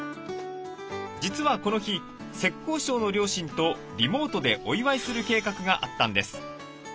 実はこの日浙江省の両親とリモートでお祝いする計画があったんです。